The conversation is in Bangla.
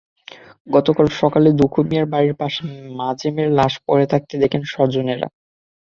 গতকাল সকালে দুখু মিয়ার বাড়ির পাশে মাজেমের লাশ পড়ে থাকতে দেখেন স্বজনেরা।